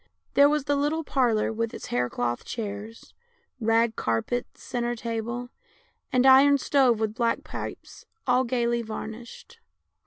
There was the little parlour with its hair cloth chairs, rag carpet, centre table, and iron stove with black pipes, all gaily varnished.